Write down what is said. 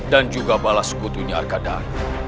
dan juga balas kutunya arkadahan